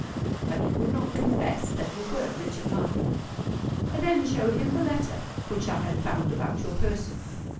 But he would not confess that you were Richard Markham. I then showed him the letter which I had found about your person.